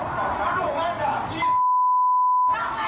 เวลาผู้ชมไปดูคลิปทั้งกลิ่น